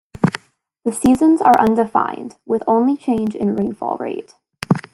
The seasons are undefined, with only change in rainfall rate.